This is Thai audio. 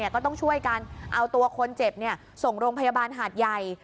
ก็ต้องช่วยกันเอาตัวคนเจ็บส่งโรงพยาบาลหาดใหญ่